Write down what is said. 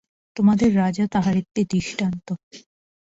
তোমাদের রাজা তাহার একটি দৃষ্টান্ত।